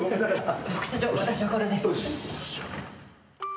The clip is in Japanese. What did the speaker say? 副社長私はこれで。